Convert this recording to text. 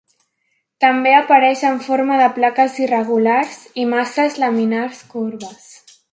També apareix en forma de plaques irregulars i masses laminars corbes.